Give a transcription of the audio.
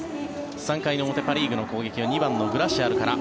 ３回の表、パ・リーグの攻撃は２番のグラシアルから。